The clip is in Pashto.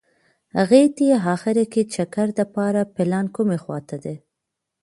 هغتې اخیر کې چکر دپاره پلان کومې خوا ته دي.